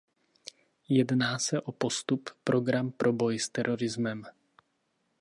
Jedná se o postup, program pro boj s terorismem.